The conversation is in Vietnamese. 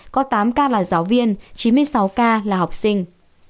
có tám ca là giáo viên chín mươi sáu ca là học sinh